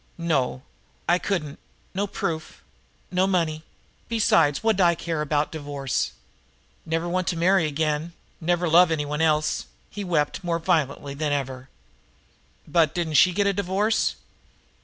"No I couldn't no proof no money. Besides, what'd I care about divorce? Never want to marry again never love anyone else." He wept more violently than ever. "But didn't she get a divorce?"